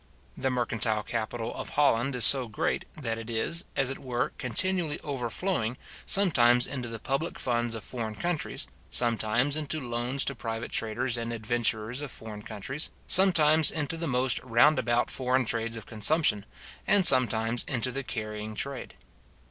The mercantile capital of Holland is so great, that it is, as it were, continually overflowing, sometimes into the public funds of foreign countries, sometimes into loans to private traders and adventurers of foreign countries, sometimes into the most round about foreign trades of consumption, and sometimes into the carrying trade.